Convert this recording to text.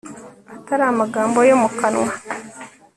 atari amagambo yo mu kanwa